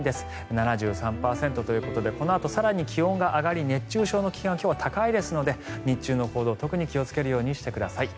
７３％ということでこのあと更に気温が上がり熱中症の危険が今日は高いですので日中の行動特に気をつけるようにしてください。